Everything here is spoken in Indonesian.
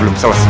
aku akan menang